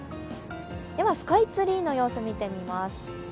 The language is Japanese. スカイツリーの様子、見てみます。